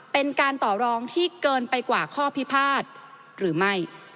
เป็นการต่อรองที่เกินไปกว่าข้อพิพาทหรือไม่